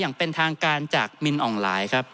ท่านประธานครับนี่คือสิ่งที่สุดท้ายของท่านครับ